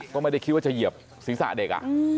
ก็ไม่ได้คิดว่าจะเหยียบศีรษะเด็ก